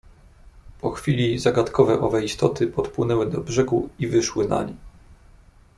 "Po chwili zagadkowe owe istoty podpłynęły do brzegu i wyszły nań."